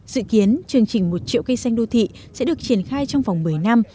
dự kiến chương trình một triệu cây xanh đô thị sẽ được triển khai trong vòng một mươi năm